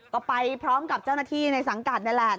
ก็ไปพร้อมกับเจ้าหน้าที่ในสังกัดนี่แหละ